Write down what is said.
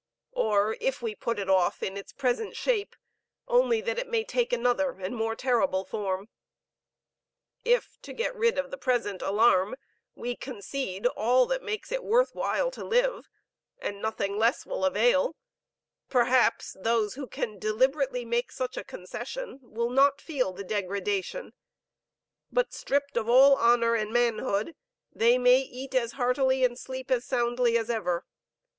Or, we put it off in its present shape, only that it may take another and more terrible form. If, to get rid of the present alarm, we concede all that makes it worth while to live and nothing less will avail perhaps those who can deliberately make such a concession, will not feel the degradation, but, stripped of all honor and manhood, they may eat as heartily and sleep as soundly as ever.